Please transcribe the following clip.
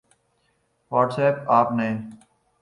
what's app آپ نئے